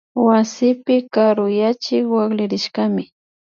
Wasipi karuyachik wakllirishkami